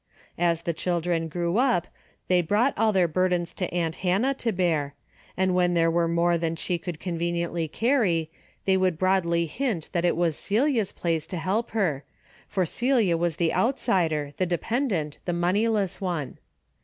As the children grew up they brought all their burdens to aunt Hannah to bear, and when there were more than she could conveniently carry, they would broadly hint that it was Celia's place to help her, for Celia was the outsider, the de pendent, the moneyless one.